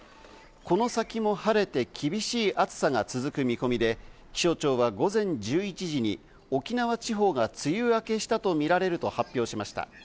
この先も晴れて厳しい暑さが続く見込みで、気象庁は午前１１時に沖縄地方が梅雨明けしたとみられると発表しました。